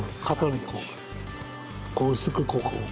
こう薄くこう。